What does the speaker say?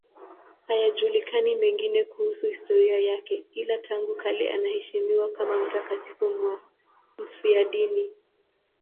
Hayajulikani mengine kuhusu historia yake, ila tangu kale anaheshimiwa kama mtakatifu mfiadini.